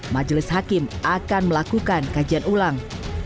majelis hakim akan melakukan kajian ulang